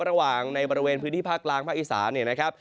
ระหว่างในบริเวณภื้นที่ภาคล่างภาคอิสรา